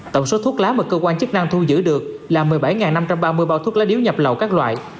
tổng số thuốc lá mà cơ quan chức năng thu giữ được là một mươi bảy năm trăm ba mươi bao thuốc lá điếu nhập lậu các loại